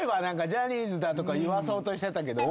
ジャニーズだとか言わそうとしてたけど。